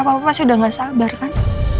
papa pasti udah gak sabar kan